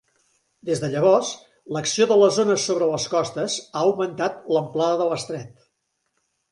Des de llavors l'acció de les ones sobre les costes ha augmentat l'amplada de l'estret.